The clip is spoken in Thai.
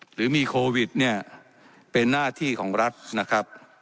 หรือมีโควิดเนี่ยเป็นหน้าที่ของรัฐนะครับ